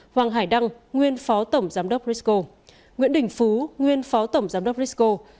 hoàng hải đăng nguyên phó tổng giám đốc risco nguyễn đình phú nguyên phó tổng giám đốc risco